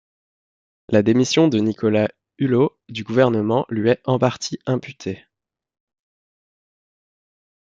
La démission de Nicolas Hulot du gouvernement lui est en partie imputée.